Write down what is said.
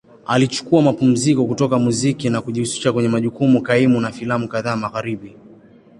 Alichukua mapumziko kutoka muziki na kujihusisha kwenye majukumu kaimu na filamu kadhaa Magharibi.